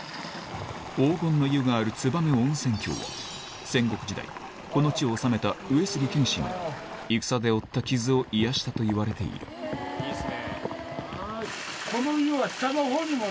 黄金の湯がある燕温泉郷は戦国時代この地を治めた上杉謙信が戦で負った傷を癒やしたといわれているいいですね。